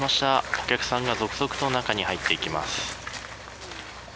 お客さんが続々と中に入っていきます。